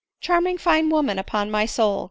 " Charming fine woman upon my soul !"